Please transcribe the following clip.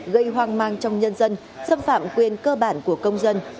gây hoang mang trong nhân dân xâm phạm quyền cơ bản của công dân